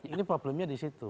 ini problemnya di situ